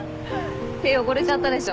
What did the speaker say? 手汚れちゃったでしょ？